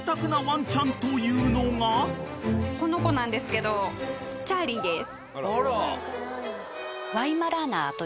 この子なんですけどチャーリーです。